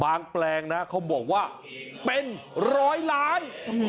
แปลงนะเขาบอกว่าเป็นร้อยล้าน